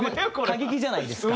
過激じゃないですか。